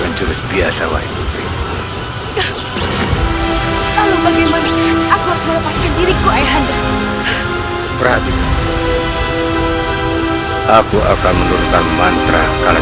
aku ingat ayah anda pernah mengajari ku tentang ini